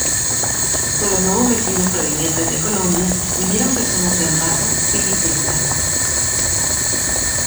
Con los nuevos vecinos provenientes de Colombia, vinieron personas de Ambato y Pichincha.